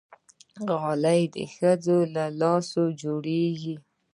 غالۍ د ښځو له لاسونو جوړېږي.